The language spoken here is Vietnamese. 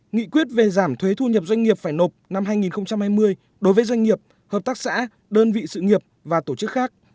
nghị quyết về giảm thuế thu nhập doanh nghiệp phải nộp năm hai nghìn hai mươi đối với doanh nghiệp hợp tác xã đơn vị sự nghiệp và tổ chức khác